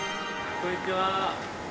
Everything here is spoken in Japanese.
こんにちは。